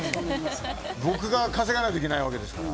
僕が稼がないといけないわけですから。